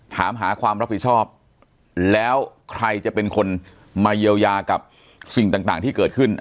ถามหาความรับผิดชอบแล้วใครจะเป็นคนมาเยียวยากับสิ่งต่างที่เกิดขึ้น